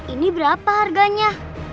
ini berapa harganya